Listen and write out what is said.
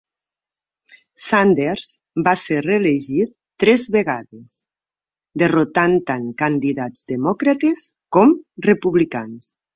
Sanders va ser reelegit tres vegades, derrotant tant candidats Demòcrates com Republicans.